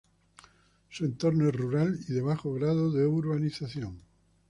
Su entorno es rural y de bajo grado de urbanización.